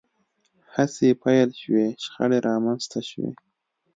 هڅې پیل شوې شخړې رامنځته شوې